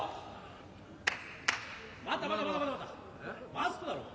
マスクだろう。